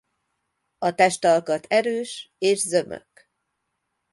A testalkat erős és zömök.